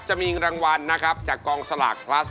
จะมีรางวัลนะครับจากกองสลากพลัส